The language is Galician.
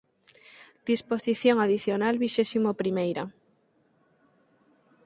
Disposición adicional vixésimo primeira.